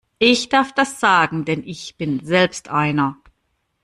Ich darf das sagen, denn ich bin selbst einer!